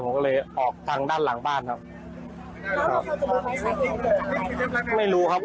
ผมก็เลยออกทางด้านหลังบ้านครับไม่รู้ครับผม